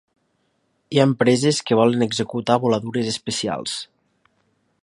Hi ha empreses que volen executar voladures especials.